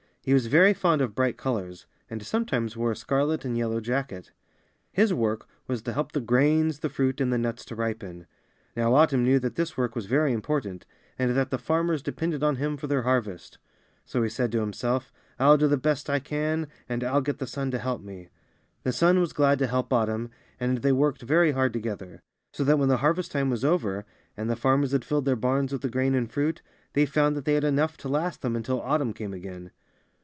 He was very fond of bright colors, and sometimes wore a scarlet and yellow jacket. His work was to help the grains, the fruit, and the nuts to ripen. Now Autumn knew that this work was very impor tant, and that the farmers depended on him for their harvest; so he said to himself, "1^11 do the best I can, and 1^11 get the sun to help me.'^ The sun was glad to help Autumn, and they worked very hard together; so that when the harvest time was over, and the farmers had filled their barns with the grain and fruit, they found that they had enough to last them until Autumn came again.